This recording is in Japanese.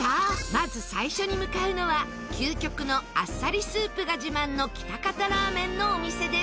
まず最初に向かうのは究極のあっさりスープが自慢の喜多方ラーメンのお店です。